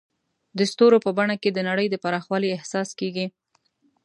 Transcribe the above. د ستورو په بڼه کې د نړۍ د پراخوالي احساس کېږي.